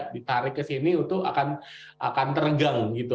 ditarik ke sini itu akan terenggang gitu